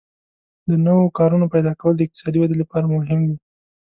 د نوو کارونو پیدا کول د اقتصادي ودې لپاره مهم دي.